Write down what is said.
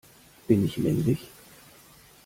Bin ich männlich?